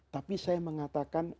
tapi saya mengatakan